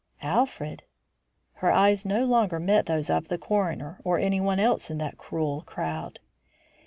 "Alfred?" Her eyes no longer met those of the coroner or anyone else in that cruel crowd.